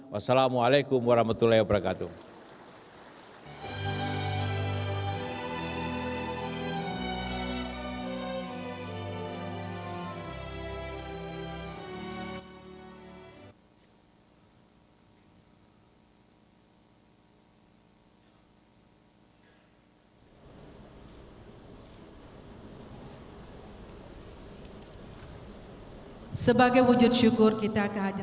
wassalamu'alaikum warahmatullahi wabarakatuh